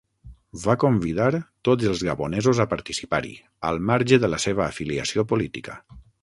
Va convidar tots els gabonesos a participar-hi, al marge de la seva afiliació política.